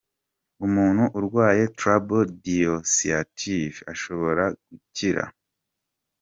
Umuntu urwaye Trouble dissociative ashobora gukira?.